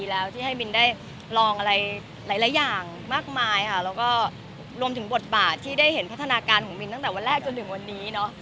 แล้วก็รวมถึงบทบาทที่ได้เห็นพัฒนาการของมินตั้งแต่วันแรกจนถึงวันนี้